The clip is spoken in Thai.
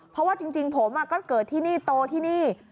เพราะว่าจริงผมก็เกิดที่นี่โตที่นี่